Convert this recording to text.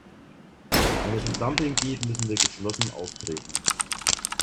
Wenn es um Dumping geht, müssen wir geschlossen auftreten.